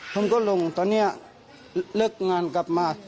แล้วหนึ่งตอนนี้เลือกงานที่กลับมา